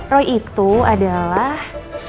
roy itu adalah